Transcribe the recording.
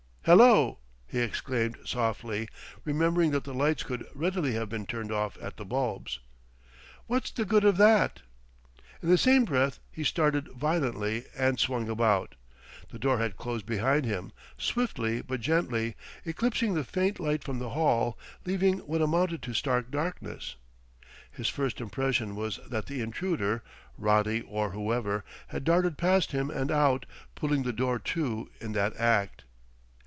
"Hello!" he exclaimed softly, remembering that the lights could readily have been turned off at the bulbs. "What's the good of that?" In the same breath he started violently, and swung about. The door had closed behind him, swiftly but gently, eclipsing the faint light from the hall, leaving what amounted to stark darkness. His first impression was that the intruder Roddy or whoever had darted past him and out, pulling the door to in that act.